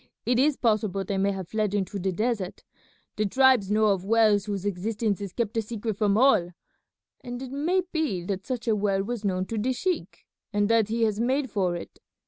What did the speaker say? It is possible they may have fled into the desert. The tribes know of wells whose existence is kept a secret from all, and it may be that such a well was known to the sheik and that he has made for it.